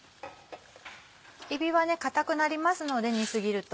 えびは硬くなりますので煮過ぎると。